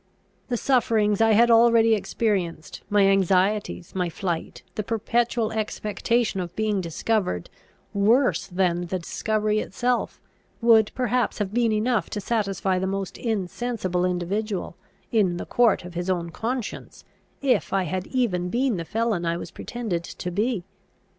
The sufferings I had already experienced, my anxieties, my flight, the perpetual expectation of being discovered, worse than the discovery itself, would perhaps have been enough to satisfy the most insensible individual, in the court of his own conscience, if I had even been the felon I was pretended to be.